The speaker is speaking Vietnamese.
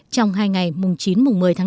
trong hai ngày chín một mươi tháng năm